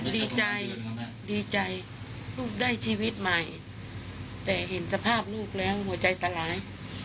ดีใจดีใจลูกได้ชีวิตใหม่แต่เห็นสภาพลูกแล้วหัวใจตลาย